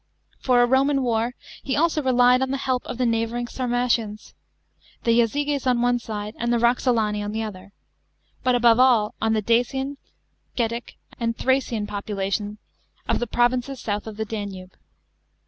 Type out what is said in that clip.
For a Roman war he also relied on the help of the neighbouring Sarmatians — the Jazyges on one side and the Roxolani on the other ; but above all on the Dacian, Getic and Thracian population of the provinces south of the 'Danube.